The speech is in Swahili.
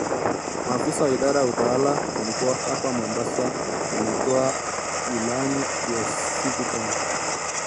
Maafisa wa idara ya utawala wa mikoa hapa Mombasa wametoa ilani ya siku tano